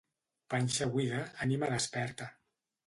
Panxa buida, ànima desperta.